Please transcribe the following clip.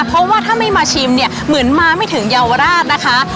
เพราะว่าถ้าไม่มาชิมเนี่ยเหมือนมาไม่ถึงเยาวราชนะคะ